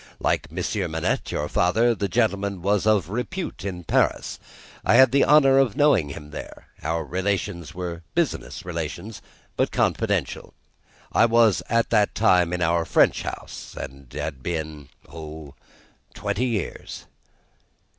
Like Monsieur Manette, your father, the gentleman was of repute in Paris. I had the honour of knowing him there. Our relations were business relations, but confidential. I was at that time in our French House, and had been oh! twenty years."